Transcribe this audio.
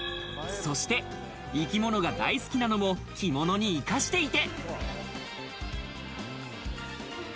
そして生き物が大好きなのも着物に生かしていて。